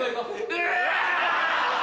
うわ！